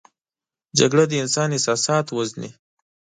جګړه د انسان احساسات وژني